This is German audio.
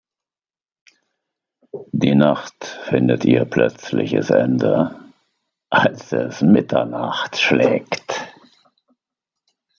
Die Nacht findet ihr plötzliches Ende, als es Mitternacht schlägt.